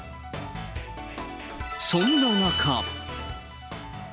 そんな中。